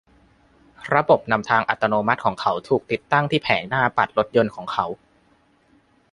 ระบบนำทางอัตโนมัติของเขา ถูกติดตั้งที่แผงหน้าปัดรถยนต์ของเขา